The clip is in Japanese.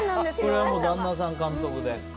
これは旦那さん監督で。